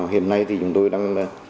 hiện nay chúng tôi đang